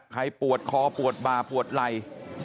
ปวดคอปวดบ่าปวดไหล่